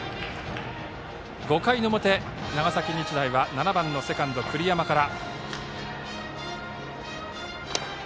５回の表、長崎日大は７番セカンドの栗山から。